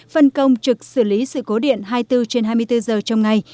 phân công trực xử lý sự cố điện hai mươi bốn trên hai mươi bốn giờ trong ngày